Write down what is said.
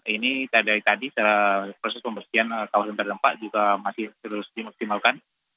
ini dari tadi secara proses pembersihan kawasan terdampak juga masih terus dimaksimalkan